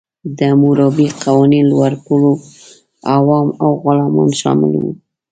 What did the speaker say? د حموربي قوانین لوړپوړو، عوام او غلامان شامل وو.